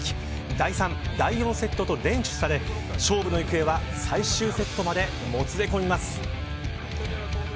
第３、第４セットと連取され勝負の行方は最終セットまでもつれ込みます。